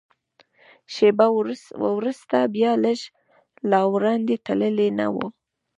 شېبه وروسته بیا، لږ لا وړاندې تللي نه و.